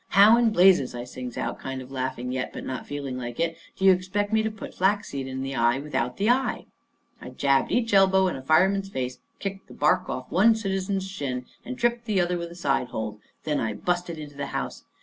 "How in blazes," I sings out, kind of laughing yet, but not feeling like it, "do you expect me to put flaxseed in a eye without the eye?" I jabbed each elbow in a fireman's face, kicked the bark off of one citizen's shin, and tripped the other one with a side hold. And then I busted into the house.